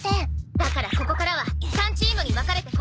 だからここからは３チームに分かれて行動するよ。